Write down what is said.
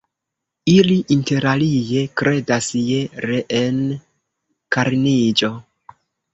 Ili interalie kredas je reenkarniĝo.